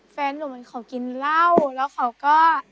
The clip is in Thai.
แฟนหนุ่มเขากินเล่าแล้วเขาก็